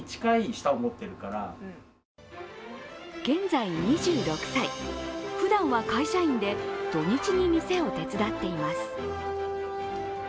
現在２６歳、ふだんは会社員で土日に店を手伝っています。